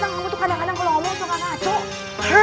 gak punya bule dateng